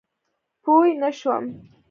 پوی نه شوم.